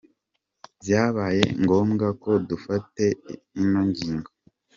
Vyabaye ngombwa ngo dufate ino ngingo.